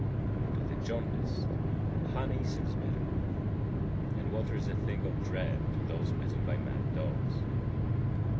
57. To the jaundiced, honey seems bitter; and water is a thing of dread to those bitten by mad dogs.